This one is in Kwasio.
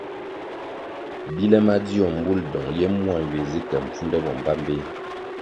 Bile madzio mbul dong ye mua nywie zi ke mpfunde bo mbpambeh.